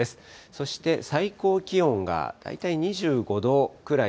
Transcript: そして最高気温が大体２５度くらい。